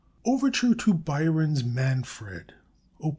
OVERTURE TO BYRON'S "MANFRED": Op.